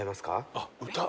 あっ歌？